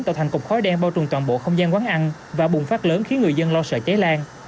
tạo thành cục khói đen bao trùm toàn bộ không gian quán ăn và bùng phát lớn khiến người dân lo sợ cháy lan